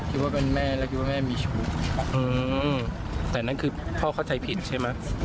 อืมแต่นั่นคือพ่อเข้าใจผิดใช่ไหม